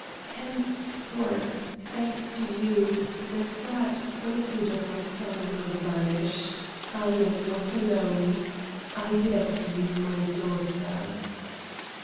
Henceforth, thanks to you, the sad solitude of my cell will vanish; I am not alone. I bless you, my daughter."